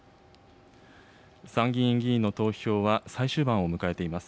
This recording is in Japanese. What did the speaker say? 参議院議員の投票は最終盤を迎えています。